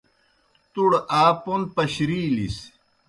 تُوْڑ آ پوْن پشرِیلِس۔